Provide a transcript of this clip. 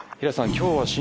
今日は申